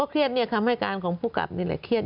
เครียดเนี่ยคำให้การของผู้กลับนี่แหละเครียด